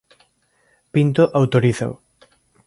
Pinto autorízao.